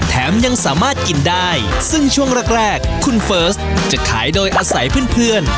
ยังสามารถกินได้ซึ่งช่วงแรกแรกคุณเฟิร์สจะขายโดยอาศัยเพื่อน